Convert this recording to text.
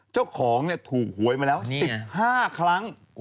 เจ้าของถูกหวยมาแล้ว๑๕ครั้ง